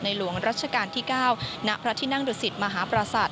หลวงรัชกาลที่๙ณพระที่นั่งดุสิตมหาปราศาสต